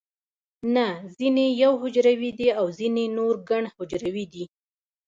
نه ځینې یو حجروي دي او ځینې نور ګڼ حجروي دي